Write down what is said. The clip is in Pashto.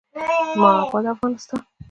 زما اباد افغانستان.